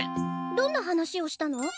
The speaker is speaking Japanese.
どんな話をしたの？